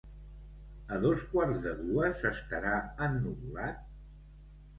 A dos quarts de dues estarà ennuvolat?